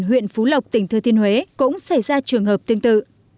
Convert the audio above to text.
huyện phú lộc tỉnh thơ tiên huế cũng xảy ra trường hợp tương tự